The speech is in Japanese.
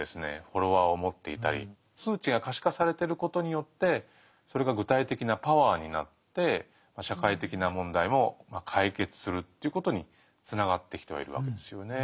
フォロワーを持っていたり数値が可視化されてることによってそれが具体的なパワーになって社会的な問題も解決するということにつながってきてはいるわけですよね。